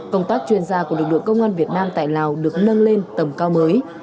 công tác chuyên gia của lực lượng công an việt nam tại lào được nâng lên tầm cao mới